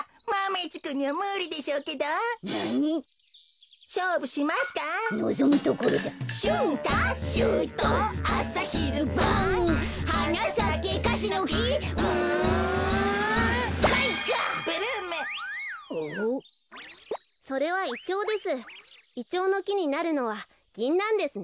イチョウのきになるのはギンナンですね。